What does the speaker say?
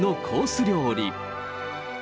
料理。